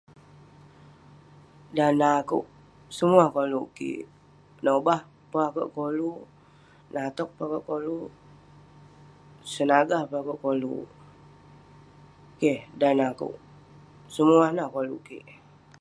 Dan neh akouk, semuah koluk kik..nobah, peh akouk koluk..natok peh akouk koluk..senagah peh akouk koluk..keh dan neh akouk, semua nah koluk kik.